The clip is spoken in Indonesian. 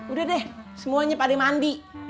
udah deh semuanya pada mandi